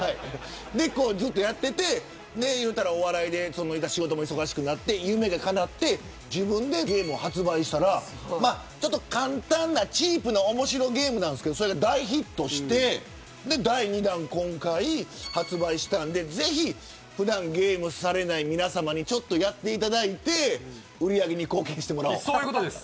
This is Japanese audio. ずっとやっていてお笑いで仕事も忙しくなって夢がかなって自分でゲームを発売したら簡単なチープな面白ゲームなんですけれど大ヒットして第２弾、今回発売したんでぜひ普段ゲームされない皆さまにちょっとやっていただいて売上に貢献してもらおう。